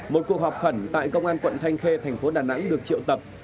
một cuộc họp khẩn tại công an quận thanh khê thành phố đà nẵng được triệu tập